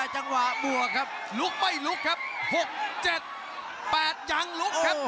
จังหวะบวกครับลุกไม่ลุกครับหกเจ็ดแปดยังลุกครับโอ้โห